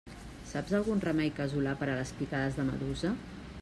Saps algun remei casolà per a les picades de medusa?